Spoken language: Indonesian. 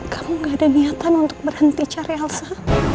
kamu gak ada niatan untuk berhenti cari alsa